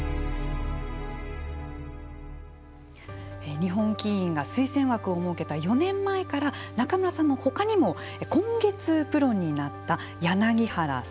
日本棋院が推薦枠を設けた４年前から仲邑さんの他にも今月プロになった柳原咲